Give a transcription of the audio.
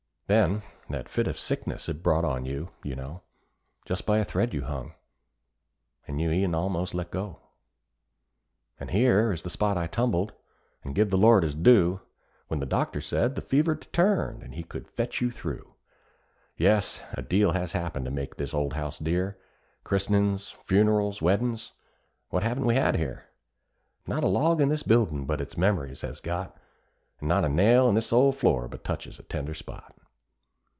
Then that fit of sickness it brought on you, you know; Just by a thread you hung, and you e'en a'most let go; And here is the spot I tumbled, an' give the Lord his due, When the doctor said the fever'd turned, an' he could fetch you through. Yes, a deal has happened to make this old house dear: Christenin's, funerals, weddin's what haven't we had here? Not a log in this buildin' but its memories has got, And not a nail in this old floor but touches a tender spot.